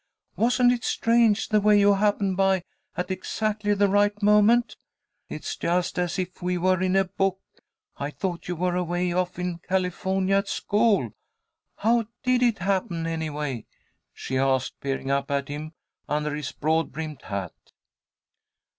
Wasn't it strange the way you happened by at exactly the right moment? It's just as if we were in a book. I thought you were away off in California at school. How did it happen anyway?" she asked, peering up at him under his broad brimmed hat.